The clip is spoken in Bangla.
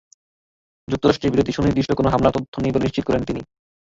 যুক্তরাষ্ট্রের বিরুদ্ধে সুনির্দিষ্ট কোনো হামলার তথ্য নেই বলেও নিশ্চিত করেন তিনি।